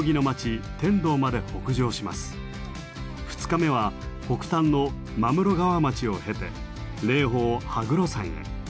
２日目は北端の真室川町を経て霊峰羽黒山へ。